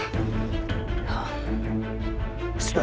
itu semua peringatan untuk nuraka